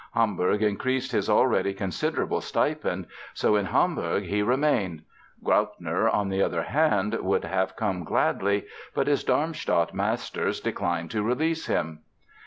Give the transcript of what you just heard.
Hamburg increased his already considerable stipend, so in Hamburg he remained. Graupner, on the other hand, would have come gladly. But his Darmstadt masters declined to release him.